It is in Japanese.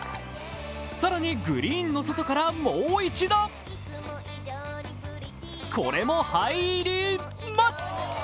更に、グリーンの外からもう一度これも入ります！